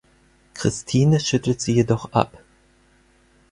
Christine schüttelt sie jedoch ab.